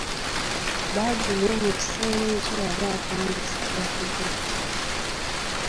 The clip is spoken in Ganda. Badru mu kiseera ekyo yali atandise okugejja.